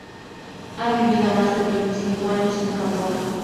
Ha vivido más de veinticinco años en Japón.